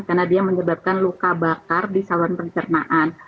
karena dia menyebabkan luka bakar di sawan pencernaan